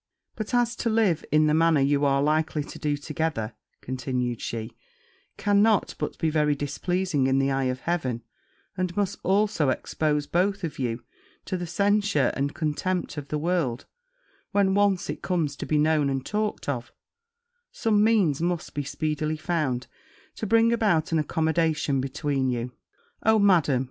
'But as to live in the manner you are likely to do together,' continued she, 'cannot but be very displeasing in the eye of Heaven, and must also expose both of you to the censure and contempt of the world, when once it comes to be known and talked of, some means must be speedily found to bring about an accommodation between you.' 'O, Madam!'